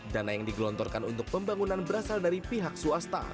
dana yang digelontorkan untuk pembangunan berasal dari pihak swasta